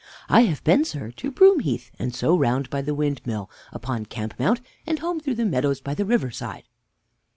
R. I have been, sir, to Broom heath, and so round by the windmill upon Camp mount, and home through the meadows by the river side.